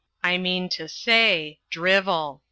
I mean to say drivel.